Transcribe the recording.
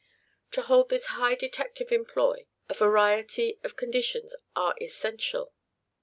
To hold this high detective employ, a variety of conditions are essential.